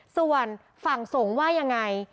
ส่วนฝั่งสงฆ์ว่ายังไง